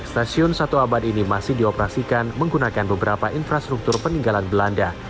stasiun satu abad ini masih dioperasikan menggunakan beberapa infrastruktur peninggalan belanda